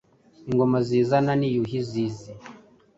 Ingoma zizaza ni Yuhi zizi :